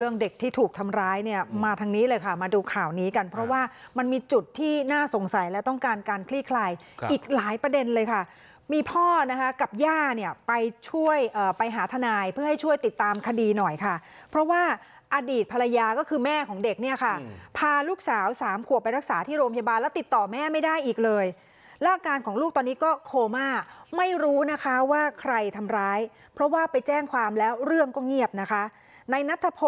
เรื่องเด็กที่ถูกทำร้ายเนี่ยมาทางนี้เลยค่ะมาดูข่าวนี้กันเพราะว่ามันมีจุดที่น่าสงสัยและต้องการการคลี่คลายอีกหลายประเด็นเลยค่ะมีพ่อกับย่าเนี่ยไปช่วยไปหาทนายเพื่อให้ช่วยติดตามคดีหน่อยค่ะเพราะว่าอดีตภรรยาก็คือแม่ของเด็กเนี่ยค่ะพาลูกสาวสามขวบไปรักษาที่โรงพยาบาลแล้วติดต่อแม่ไม่ได้